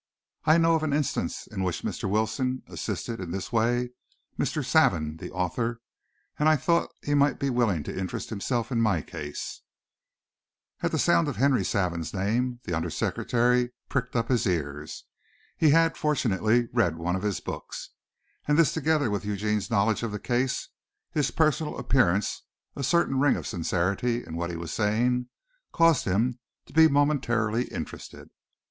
I know of an instance in which Mr. Wilson, assisted, in this way, Mr. Savin the author, and I thought he might be willing to interest himself in my case." At the sound of Henry Savin's name the under secretary pricked up his ears. He had, fortunately, read one of his books, and this together with Eugene's knowledge of the case, his personal appearance, a certain ring of sincerity in what he was saying, caused him to be momentarily interested.